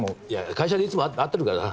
会社でいつも会ってるからさ。